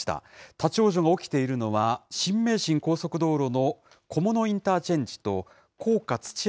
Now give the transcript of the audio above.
立往生が起きているのは、新名神高速道路の菰野インターチェンジと甲賀土山